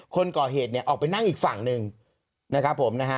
คนก่อเหตุเนี่ยออกไปนั่งอีกฝั่งหนึ่งนะครับผมนะฮะ